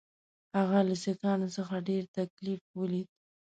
هغه له سیکهانو څخه ډېر تکلیف ولید.